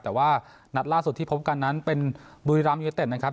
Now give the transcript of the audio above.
แต่ว่านัดล่าสุดที่พบกันนั้นเป็นบุรีรัมยูเนเต็ดนะครับ